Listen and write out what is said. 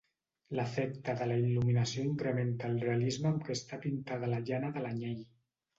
L’efecte de la il·luminació incrementa el realisme amb què està pintada la llana de l’anyell.